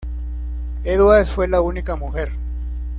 Edwards fue la única mujer.